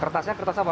kertasnya kertas apa